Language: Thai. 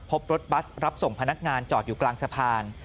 พบรถบัสรับส่งพนักงานจอดอยู่กลางสะพาน